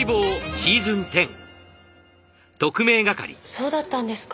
そうだったんですか。